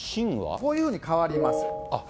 こういうふうに変わります。